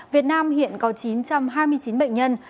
việt nam hiện có chín trăm hai mươi chín bệnh nhân